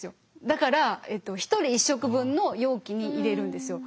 だから１人１食分の容器に入れるんですよ。